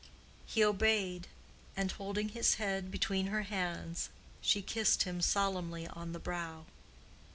He obeyed, and holding his head between her hands, she kissed him solemnly on the brow.